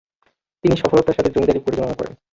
তিনি সফলতার সাথে জমিদারি পরিচালনা করেন।